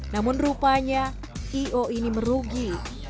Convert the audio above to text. namun rupanya i o ini merugi